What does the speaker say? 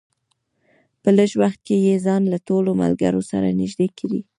په لږ وخت کې یې ځان له ټولو ملګرو سره نږدې کړی.